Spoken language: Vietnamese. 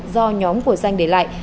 do nhóm của danh để lại